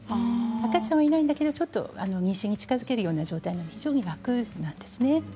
赤ちゃんはいないんだけどちょっと妊娠に近づけるような状態非常に楽なんです。